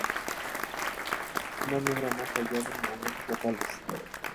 No migra más allá de movimientos locales.